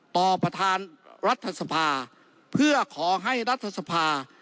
ต่อประธานรัฐธรษภาเพื่อขอให้รัฐธรษภา